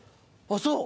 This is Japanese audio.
あっそう？